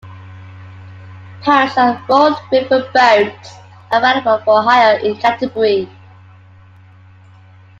Punts and rowed river boats are available for hire in Canterbury.